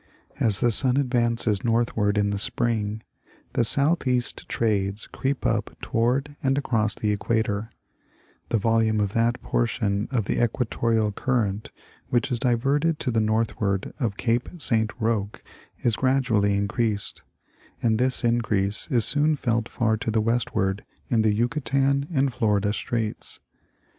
As the sun advances northward in the spring, the southeast trades creep up toward and across the equator, the volume of that portion of the equatorial current which is diverted to the northward of Cape San Roque is gradually increased, and this increase is soon felt far to the westward, in the Yucatan and Florida straits.